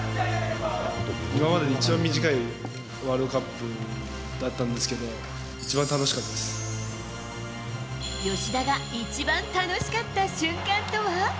今までで一番短いワールドカップだったんですけど、一番楽しかったです。